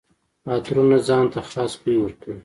عطرونه ځان ته خاص بوی ورکوي.